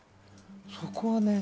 そこはね。